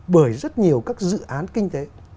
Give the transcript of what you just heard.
bởi rất nhiều các dự án kinh tế